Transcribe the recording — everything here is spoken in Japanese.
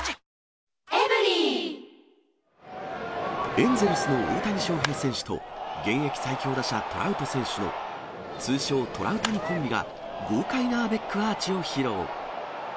エンゼルスの大谷翔平選手と、現役最強打者、トラウト選手の、通称、トラウタニコンビが豪快なアベックアーチを披露。